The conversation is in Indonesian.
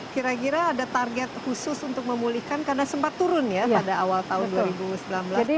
kira kira ada target khusus untuk memulihkan karena sempat turun ya pada awal tahun dua ribu sembilan belas ini